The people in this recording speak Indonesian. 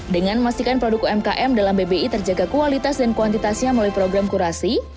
dengan memastikan produk umkm dalam bbi terjaga kualitas dan kuantitasnya melalui program kurasi